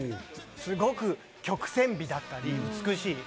すごく曲線美だったり、美しい。